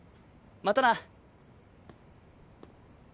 またな。